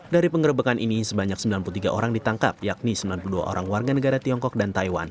dari pengerebekan ini sebanyak sembilan puluh tiga orang ditangkap yakni sembilan puluh dua orang warga negara tiongkok dan taiwan